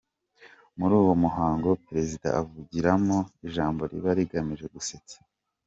Muri uwo muhango perezida avugiramo ijambo riba rigamije gusetsa.